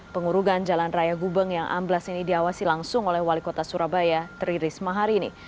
pengurugan jalan raya gubeng yang amblas ini diawasi langsung oleh wali kota surabaya tri risma hari ini